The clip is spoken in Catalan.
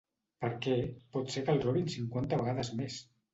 Per què? Pot ser que el robin cinquanta vegades més!